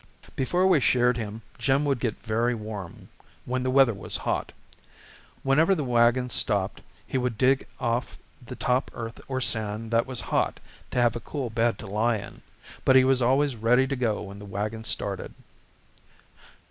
Before we sheared him, Jim would get very warm when the weather was hot. Whenever the wagon stopped he would dig off the top earth or sand that was hot, to have a cool bed to lie in; but he was always ready to go when the wagon started.